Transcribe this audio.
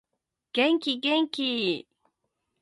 元気元気